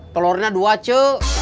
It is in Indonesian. telurnya dua cu